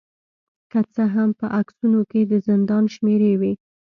که څه هم په عکسونو کې د زندان شمیرې وې